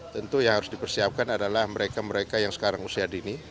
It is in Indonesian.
tentu yang harus dipersiapkan adalah mereka mereka yang sekarang usia dini